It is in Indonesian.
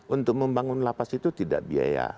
untuk membangun lapas itu tidak biaya